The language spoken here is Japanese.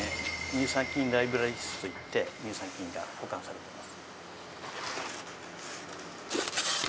乳酸菌ライブラリー室といって乳酸菌が保管されています